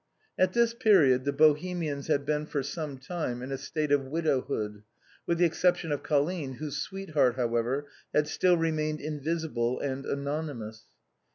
At this period the Bohemians had been for some time in a state of widowhood, with the exception of Colline, whose sweetheart, however, had still remained invisible and anonymous.